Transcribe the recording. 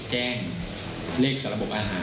มีความรู้สึกว่ามีความรู้สึกว่า